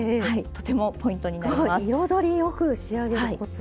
彩りよく仕上げるコツ。